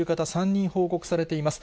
３人報告されています。